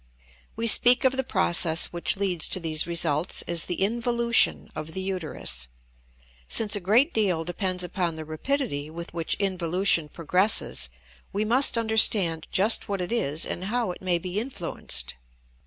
We speak of the process which leads to these results as the involution of the uterus. Since a great deal depends upon the rapidity with which involution progresses, we must understand just what it is and how it may be influenced.